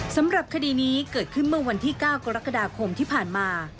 สำหรับคดีนี้เกิดขึ้นเมื่อวันที่๙กรกฎาคมที่ผ่านมา